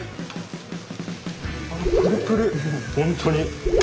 本当に。